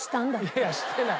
いやしてない。